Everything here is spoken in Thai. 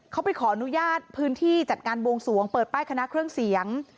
เขาไปขออนุญาตพื้นที่จัดงานบวงสวงเปิดป้ายคณะเครื่องเสียง